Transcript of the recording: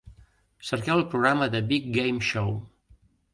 Cerqueu el programa The Big Game Show.